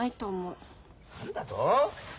何だと！？